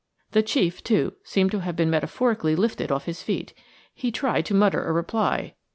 The chief, too, seemed to have been metaphorically lifted off his feet. He tried to mutter a reply.